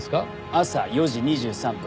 朝４時２３分。